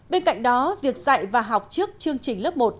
bên cạnh đó việc dạy và học trước chương trình lớp một